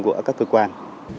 của các cơ quan